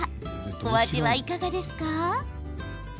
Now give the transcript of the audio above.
お味はいかがですか？